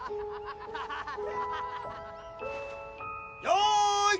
よい。